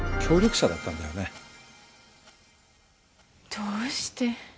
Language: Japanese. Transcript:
どうして？